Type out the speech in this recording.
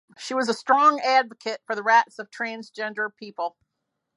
She was a strong advocate for the rights of transgender people.